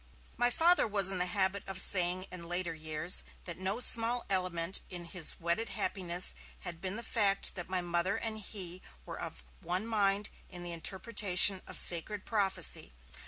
My Father was in the habit of saying, in later years, that no small element in his wedded happiness had been the fact that my Mother and he were of one mind in the interpretation of Sacred Prophecy.